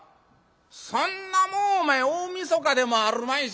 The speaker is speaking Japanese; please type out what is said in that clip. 「そんなもんお前大晦日でもあるまいし。